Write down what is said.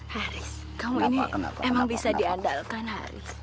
haris kamu ini emang bisa diandalkan haris